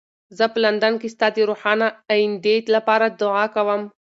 زه په لندن کې ستا د روښانه ایندې لپاره دعا کوم.